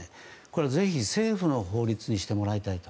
これはぜひ政府の法律にしてもらいたい。